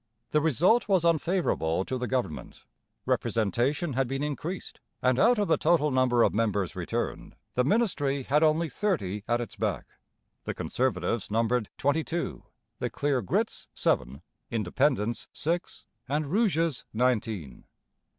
The result was unfavourable to the government. Representation had been increased, and out of the total number of members returned the ministry had only thirty at its back. The Conservatives numbered twenty two, the Clear Grits seven, Independents six, and Rouges nineteen.